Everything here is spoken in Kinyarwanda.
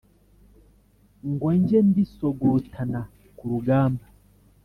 ngo njye ndisogotana ku rugamba